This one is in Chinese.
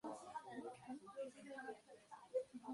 后徙苏州花山。